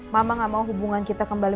mama gak mau hubungan kita kembali